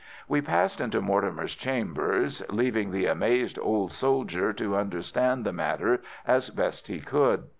We passed into Mortimer's chambers, leaving the amazed old soldier to understand matters as best he could.